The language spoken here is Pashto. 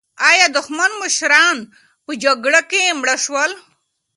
ایا دښمن مشران په جګړه کې مړه شول؟